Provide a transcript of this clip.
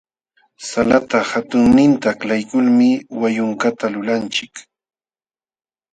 Salata hatunninta aklaykulmi wayunkata lulanchik.